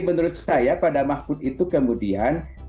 menurut saya pada mahfud itu kemudian